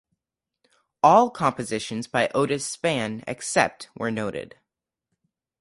All compositions by Otis Spann except where noted